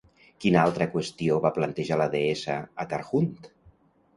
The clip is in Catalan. Quina altra qüestió va plantejar la deessa a Tarhunt?